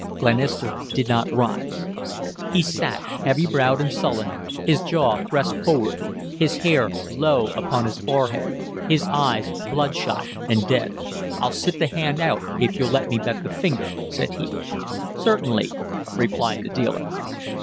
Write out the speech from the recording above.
Glenister did not rise. He sat, heavy browed and sullen, his jaw thrust forward, his hair low upon his forehead, his eyes bloodshot and dead. "I'll sit the hand out if you'll let me bet the 'finger,'" said he. "Certainly," replied the dealer.